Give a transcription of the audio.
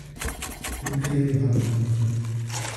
این خیلی حال بهم زنه.